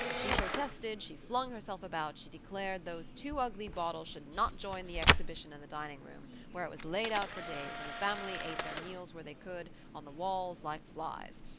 She protested, she flung herself about, she declared those two ugly bottles should not join the exhibition in the dining room, where it was laid out for days, and the family ate their meals where they could, on the walls, like flies.